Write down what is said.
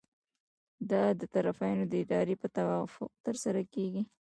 دا د طرفینو د ارادې په توافق ترسره کیږي.